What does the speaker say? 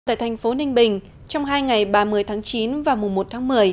tại thành phố ninh bình trong hai ngày ba mươi tháng chín và mùa một tháng một mươi